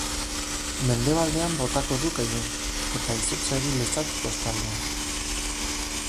Mendebaldean botako du gehien, eta izotza egin lezake kostaldean.